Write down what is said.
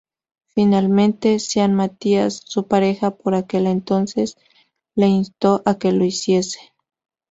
Finalmente, Sean Mathias, su pareja por aquel entonces, le instó a que lo hiciese.